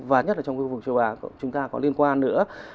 và nhất là trong khu vực châu á chúng ta có liên quan nữa